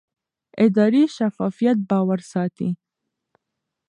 اداري شفافیت باور ساتي